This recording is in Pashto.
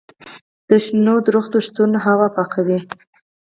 د شنو ونو شتون هوا پاکه ساتي.